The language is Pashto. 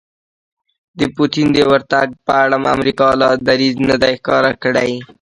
د پوتین د ورتګ په اړه امریکا لا دریځ نه دی ښکاره کړی